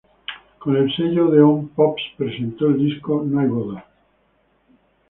Con el sello Odeón Pops presentó el disco "No hay boda".